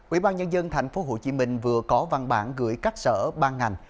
ủy ban nhân dân tp hcm vừa có văn bản gửi các sở ban ngành